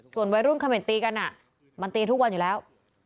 ส่วนวัยรุ่นเขม่นตีกันมันตีทุกวันอยู่แล้ว